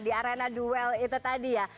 di arena duel itu tadi ya